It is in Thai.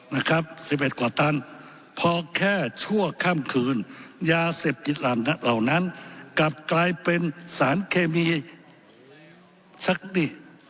นะครับสิบเอ็ดกว่าตันพอแค่ชั่วค่ำคืนยาเสพติดเหล่านั้นกลับกลายเป็นสารเคมีชักดิ